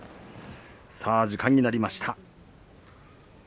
時間になりました。